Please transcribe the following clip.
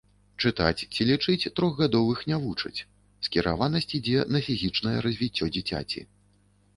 Чытаць ці лічыць трохгадовых не вучаць, скіраванасць ідзе на фізічнае развіццё дзіцяці.